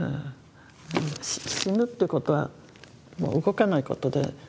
死ぬってことはもう動かないことで。